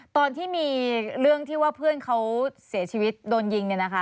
ตอนที่มีเรื่องที่ว่าเพื่อนเขาเสียชีวิตโดนยิง